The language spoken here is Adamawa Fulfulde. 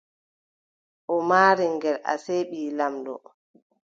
O maari ngel, asee, ɓii laamiiɗo.